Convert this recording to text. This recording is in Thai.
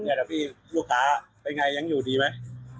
เดี๋ยวพี่ลูกค้าเป็นไงยังอยู่ดีไหม